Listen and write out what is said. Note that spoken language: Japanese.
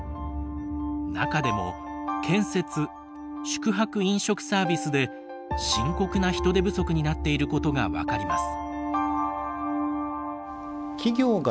中でも建設宿泊、飲食サービスで深刻な人手不足になっていることが分かります。